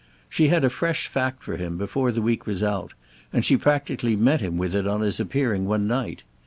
She had a fresh fact for him before the week was out, and she practically met him with it on his appearing one night.